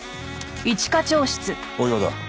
大岩だ。